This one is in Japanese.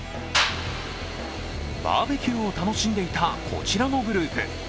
バーベキューを楽しんでいたこちらのグループ。